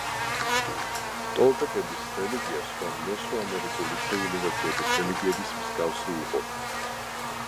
ტოლტეკების რელიგია სხვა მესოამერიკული ცივილიზაციების რელიგიების მსგავსი იყო.